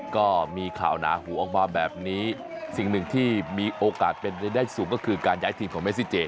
ก็มีข่าวหนาหูออกมาแบบนี้สิ่งหนึ่งที่มีโอกาสเป็นไปได้สูงก็คือการย้ายทีมของเมซิเจ